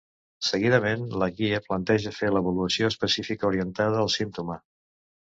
Seguidament, la guia planteja fer l’avaluació específica orientada al símptoma.